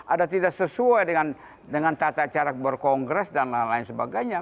ada tidak sesuai dengan tata cara berkongres dan lain lain sebagainya